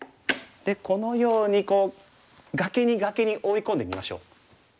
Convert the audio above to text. でこのように崖に崖に追い込んでみましょう。